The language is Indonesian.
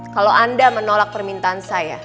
kalau anda menolak permintaan saya